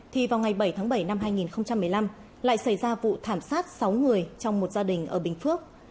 thì vào ngày bảy tháng bảy năm hai nghìn một mươi năm lại xảy ra vụ thảm sát sáu người trong một gia đình ở bình phước